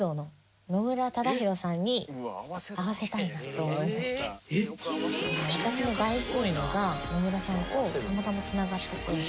東京海上日動私の大親友が野村さんとたまたま繋がってて。